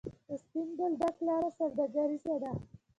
د سپین بولدک لاره سوداګریزه ده